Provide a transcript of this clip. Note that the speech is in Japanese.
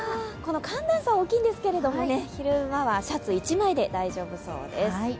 寒暖差が大きいんですけれども、昼間はシャツ１枚で大丈夫そうです